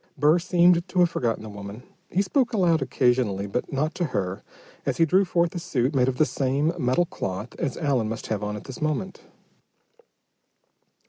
Burr seemed to have forgotten the woman. He spoke aloud occasionally, but not to her, as he drew forth a suit made of the same metal cloth as Allen must have on at this moment.